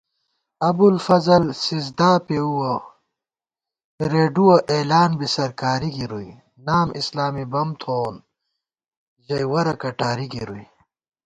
ابُوالفضل سِزدا پېؤوَہ رېڈُوَہ اېلان بی سَرکاری گِرُوئی * نام اسلامی بم تھووون ژَئی ورہ کٹاری گِروئی